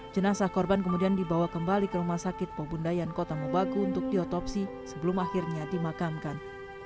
jenazah korban kemudian dibawa kembali ke rumah sakit popundayan kota mubagu untuk diotopsi sebelum akhirnya dimakamkan